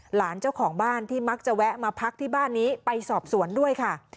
หลานเจ้าของบ้านที่มักจะแวะมาพักที่บ้านนี้ไปสอบสวนด้วยค่ะ